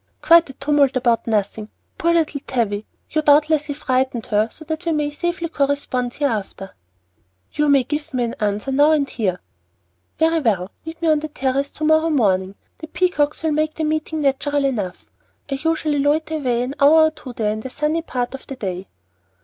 "Quite a tumult about nothing. Poor little Tavie! You doubtlessly frightened her so that we may safely correspond hereafter." "You may give me an answer, now and here." "Very well, meet me on the terrace tomorrow morning; the peacocks will make the meeting natural enough. I usually loiter away an hour or two there, in the sunny part of the day."